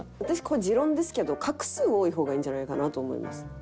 私これ持論ですけど画数多い方がいいんじゃないかなと思います。